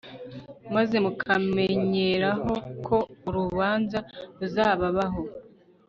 maze mukamenyereho ko urubanza ruzababaho